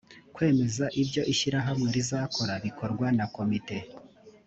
kwemeza ibyo ishyirahamwe rizakora bikorwa na komite